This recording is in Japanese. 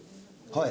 はい。